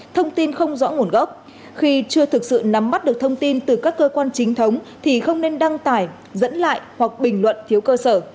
thông tin không rõ nguồn gốc khi chưa thực sự nắm bắt được thông tin từ các cơ quan chính thống thì không nên đăng tải dẫn lại hoặc bình luận thiếu cơ sở